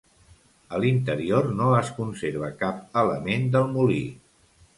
A l'interior no es conserva cap element del molí.